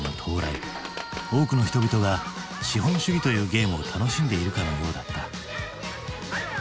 多くの人々が資本主義というゲームを楽しんでいるかのようだった。